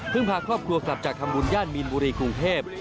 พาครอบครัวกลับจากทำบุญย่านมีนบุรีกรุงเทพ